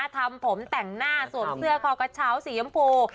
ทำผมแต่งหน้าสวมเสื้อคอกระเช้าสียำพู